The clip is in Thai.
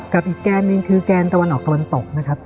กับอีกแกนหนึ่งคือแกนตะวันออกตะวันตกนะครับ